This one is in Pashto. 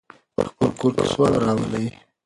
خپل کور کې سوله راولئ.